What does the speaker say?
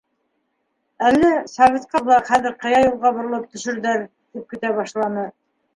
— Әллә, советҡа булһа, хәҙер ҡыя юлға боролоп төшөрҙәр, — тип көтә башланы.